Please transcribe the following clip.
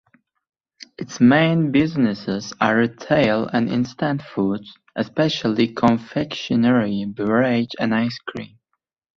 Its main businesses are retail and instant foods, especially confectionery, beverage and ice cream.